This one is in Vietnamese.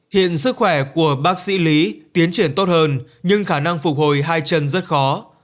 hiện sức khỏe của bác sĩ lý tiến triển tốt hơn nhưng khả năng phục hồi hai chân rất khó